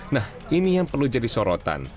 nah ini yang perlu jadi sorotan